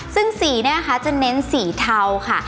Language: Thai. ซึ่งสีเนี่ยนะคะจะเน้นสีเทาค่ะ